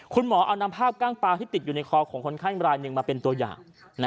คุณหมอเอานำภาพกล้างปลาที่ติดอยู่ในคอของคนไข้รายหนึ่งมาเป็นตัวอย่าง